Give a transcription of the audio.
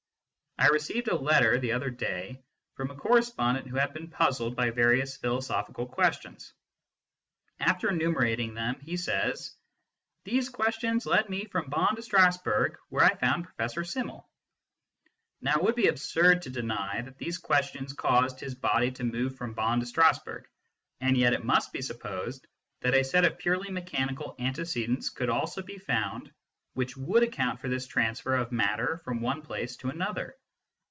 I received a letter the other day from a corre spondent who had been puzzled by various philosophical questions. After enumerating them he says :" These questions led me from Bonn to Strassburg, where I found Professor Simmel." Now, it would be absurd to deny that these questions caused his body to move from Bonn to Strassburg, and yet it must be supposed that a set of purely mechanical antecedents could also be found which would account for this transfer of matter from one place to another.